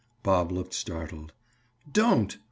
Bob looked startled. "Don't!